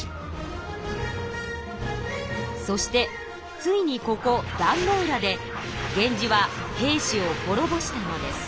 そしてついにここ壇ノ浦で源氏は平氏を滅ぼしたのです。